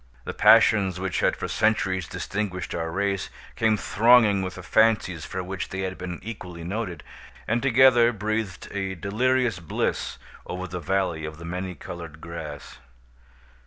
The passions which had for centuries distinguished our race, came thronging with the fancies for which they had been equally noted, and together breathed a delirious bliss over the Valley of the Many Colored Grass.